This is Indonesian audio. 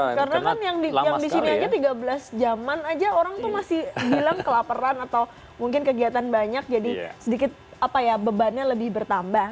karena kan yang di sini aja tiga belas jam aja orang tuh masih bilang kelaperan atau mungkin kegiatan banyak jadi sedikit apa ya bebannya lebih bertambah